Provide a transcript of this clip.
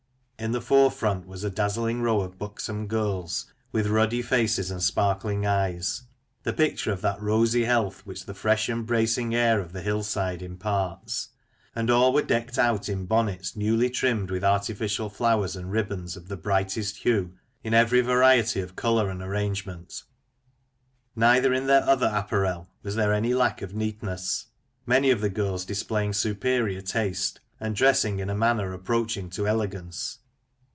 In the forefront was a dazzling row of buxom girls, with ruddy faces and sparkling eyes, the picture of that rosy health which the fresh and bracing air of the hillside imparts ; and all were decked out in bonnets newly trimmed with artificial flowers and ribbons of the brightest hue in every variety of colour and arrange ment. Neither in their other apparel was there any lack of neatness, many of the girls displaying superior taste, and dressing in a manner approaching to elegance.